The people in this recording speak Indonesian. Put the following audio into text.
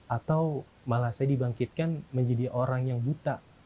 atau malah saya dibangkitkan menjadi orang yang buta